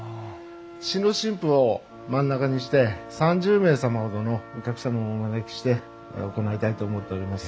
新郎新婦を真ん中にして３０名様ほどのお客様をお招きして行いたいと思っております。